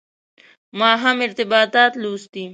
ما هم ارتباطات لوستي.